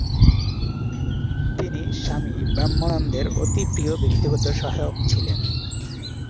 তিনি স্বামী ব্রহ্মানন্দ অতি প্রিয় ব্যক্তিগত সহায়ক ছিলেন।